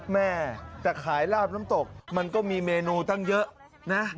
แม่แต่ขายลาบน้ำตกมันก็มีเมนูตั้งเยอะนะ